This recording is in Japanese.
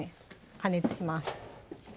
加熱します